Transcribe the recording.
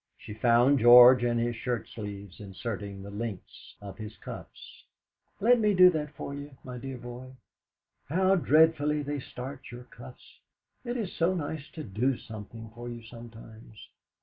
She found George in his shirtsleeves, inserting the links of his cuffs. "Let me do that for you, my dear boy! How dreadfully they starch your cuffs! It is so nice to do something for you sometimes!"